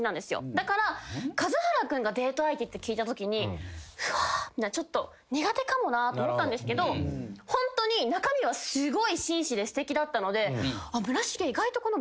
だから数原君がデート相手って聞いたときにうわちょっと。と思ったんですけどホントに中身はすごい紳士ですてきだったので村重意外とこの。